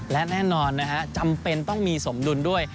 และแน่นอนนะฮะจำเป็นต้องมีสมดุลด้วย